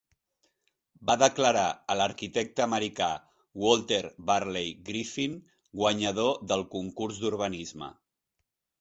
Va declarar a l'arquitecte americà Walter Burley Griffin guanyador del concurs d'urbanisme.